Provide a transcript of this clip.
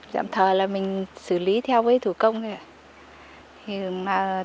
giảm thờ là mình xử lý theo với thủ công